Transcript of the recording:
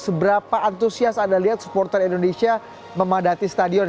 seberapa antusias anda lihat supporter indonesia memadati stadion